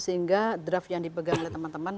sehingga draft yang dipegang oleh teman teman